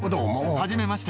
はじめまして。